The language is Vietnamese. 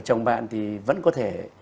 chồng bạn thì vẫn có thể